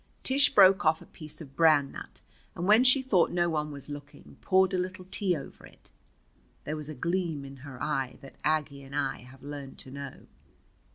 Tish broke off a piece of Bran Nut, and when she thought no one was looking poured a little tea over it. There was a gleam in her eye that Aggie and I have learned to know.